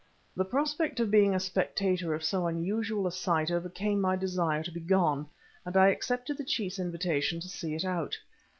The prospect of being a spectator of so unusual a sight overcame my desire to be gone, and I accepted the chief's invitation to see it out.